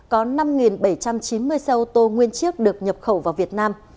có năm bảy trăm chín mươi xe ô tô nguyên chiếc được nhập khẩu vào việt nam